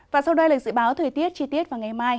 và sau đây là dự báo thời tiết chi tiết vào ngày mai